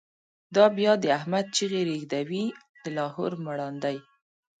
دا به بیا د« احمد» چیغی، ریږدوی د لاهور مړاندی